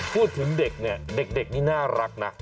พูดถึงเด็กเนี่ยเด็กนี่น่ารักนะ